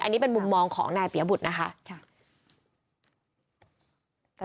อันนี้เป็นมุมมองของนายเปียบุตรนะคะ